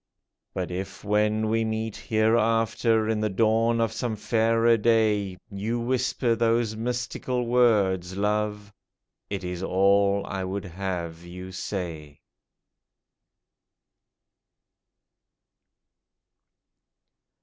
But if when we meet hereafter, In the dawn of some fairer day, You whisper those mystical words, lovCj, It is all I would have you say